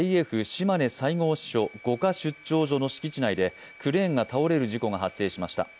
しまね西郷支所五箇出張所の敷地内でクレーンが倒れる事故が発生しました。